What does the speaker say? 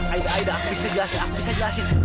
aida aida aku bisa jelasin aku bisa jelasin